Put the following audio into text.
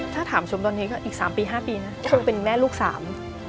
ถ้าถามชมตอนนี้ก็อีก๓๕ปีนะคงเป็นแม่ลูกสาม